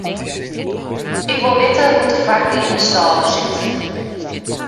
Ik wol witte hoe't de foarke yn 'e stâle sit.